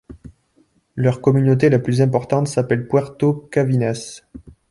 Leur communauté la plus importante s'appelle Puerto Cavinas.